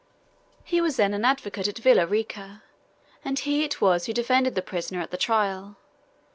He was then an advocate at Villa Rica, and he it was who defended the prisoner at the trial.